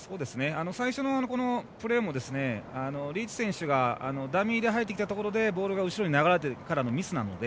最初のプレーもリーチ選手がダミーが入ってきたところでボールが後ろに流れてからのミスなので。